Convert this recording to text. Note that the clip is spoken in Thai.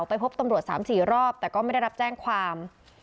ไปพบตำรวจ๓๔รอบแต่ก็ไม่ได้รับแจ้งความ